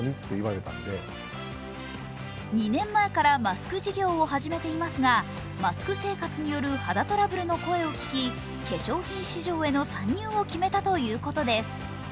２年前からマスク事業を始めていますが、マスク生活による肌トラブルの声を聞き化粧品市場への参入を決めたということです。